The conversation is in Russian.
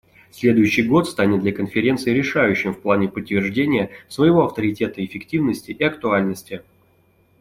Следующий год станет для Конференции решающим в плане подтверждения своего авторитета, эффективности и актуальности.